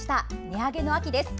値上げの秋です。